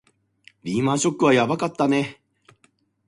リーマンショックはやばかったね